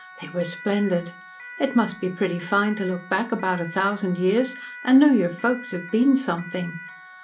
They were splendid. It must be pretty fine to look back about a thousand years and know your folks have been something.